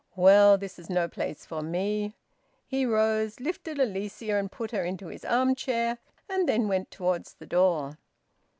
"Well, this is no place for me." He rose, lifted Alicia and put her into his arm chair, and then went towards the door.